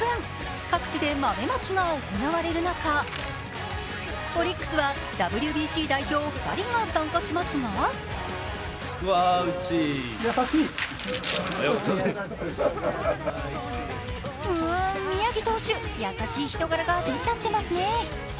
各地で豆まきが行われる中オリックスはＷＢＣ代表２人が参加しますがうん、宮城投手、優しい人柄が出ちゃってますね。